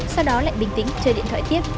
sau đó lại bình tĩnh chơi điện thoại tiếp